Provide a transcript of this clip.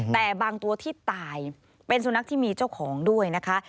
แต่บางตัวที่ตายเป็นสุนัขที่มีเจ้าของด้วยนะคะ